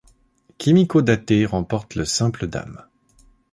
Kimiko Date remporte le simple dames.